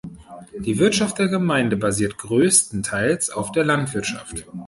Die Wirtschaft der Gemeinde basiert größtenteils auf der Landwirtschaft.